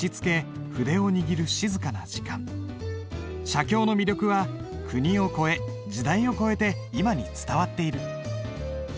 写経の魅力は国を超え時代を超えて今に伝わっている。